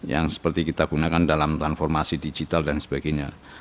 yang seperti kita gunakan dalam transformasi digital dan sebagainya